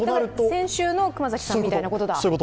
先週の熊崎さんみたいなことだ。